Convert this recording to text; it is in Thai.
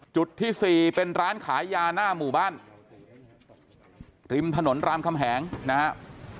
จุดที่๔เป็นร้านขายยาหน้าหมู่บ้านริมถนนรามคำแหงนะครับ